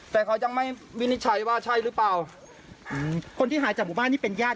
แต่เขายังไม่วินิจฉัยว่าใช่หรือเปล่าอืมคนที่หายจากหมู่บ้านนี่เป็นญาติ